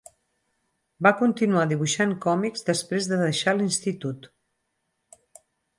Va continuar dibuixant còmics després de deixar l'institut.